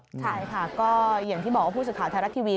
ใช่ค่ะก็อย่างที่บอกว่าผู้สื่อข่าวไทยรัฐทีวี